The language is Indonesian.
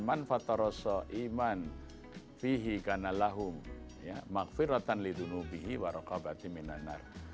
manfataroso iman fihi kanalahum makfiratan lidunubihi warokabati minanar